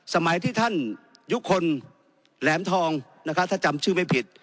สมัยที่ท่านยุคคลแหลมทองนะคะถ้าจำชื่อไม่ผิด